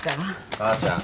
母ちゃん。